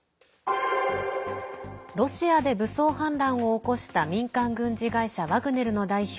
ロシアで武装反乱を起こした民間軍事会社ワグネルの代表